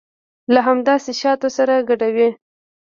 له همداسې شاتو سره ګډوي.